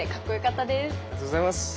ありがとうございます！